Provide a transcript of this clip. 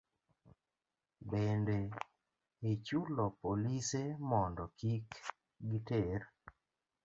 Bende, ichulo polise mondo kik giter